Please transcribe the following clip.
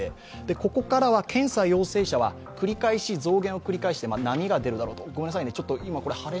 ここからは検査陽性者は増減を繰り返して波が出るだろうと。